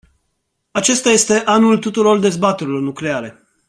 Acesta este anul tuturor dezbaterilor nucleare.